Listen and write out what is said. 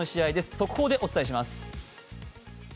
速報でお伝えします。